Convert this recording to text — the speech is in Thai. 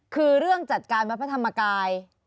คือเรื่องจัดการวัดพระธรรมกาย